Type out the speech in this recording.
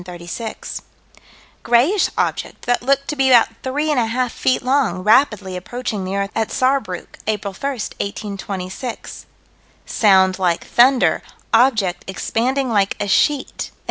Sci._, 1 136); grayish object that looked to be about three and a half feet long, rapidly approaching the earth at Saarbruck, April 1, 1826; sound like thunder; object expanding like a sheet (_Am.